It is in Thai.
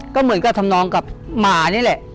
ก็เหมือนกับทำนองกับหมานี่แหละ